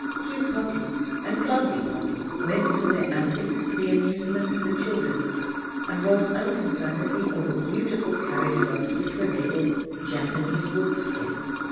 Cute puppies and clumsy puppies went through their antics for the amusement of the children and rolled unconcernedly over beautiful carriage rugs which were labeled "Japanese Wolfskin."